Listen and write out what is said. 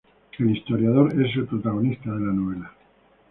El historiador es el protagonista de la novela.